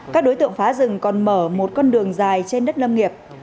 các đối tượng phá rừng còn mở một con đường dài trên đất lâm nghiệp